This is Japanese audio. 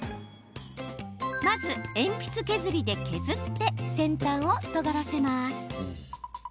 まず、鉛筆削りで削って先端をとがらせます。